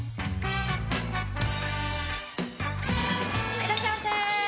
いらっしゃいませはい！